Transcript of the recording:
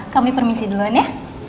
kami permisi duluan ya